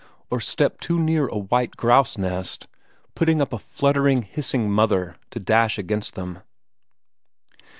Or step too near a white grouse nest, putting up a fluttering hissing mother to dash against them?